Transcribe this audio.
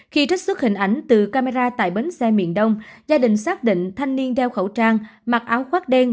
khi trích xuất hình ảnh từ camera tại bến xe miền đông gia đình xác định thanh niên đeo khẩu trang mặc áo khoác đen